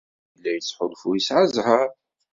Yuba yella yettḥulfu yesɛa zzheṛ.